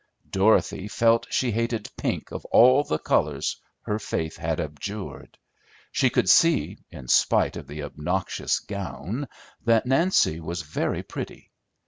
Dorothy felt she hated pink of all the colors her faith had abjured. She could see, in spite of the obnoxious gown, that Nancy was very pretty.